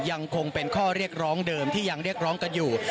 ยังคงเป็นข้อเรียกร้องเดิมที่ยังเรียกร้องกันอยู่